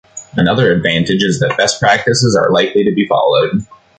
Another advantage is that best practices are likely to be followed.